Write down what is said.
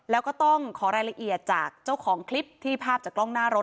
แล้วก็ต้องขอรายละเอียดจากเจ้าของคลิปที่ภาพจากกล้องหน้ารถ